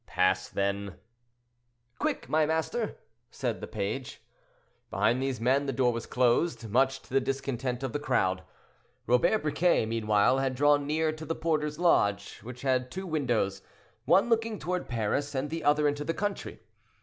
"Pass, then." "Quick, my master," said the page. Behind these men the door was closed, much to the discontent of the crowd. Robert Briquet, meanwhile, had drawn near to the porter's lodge, which had two windows, one looking toward Paris and the other into the country.